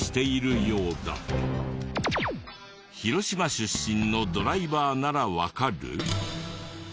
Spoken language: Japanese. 広島出身のドライバーならわかる？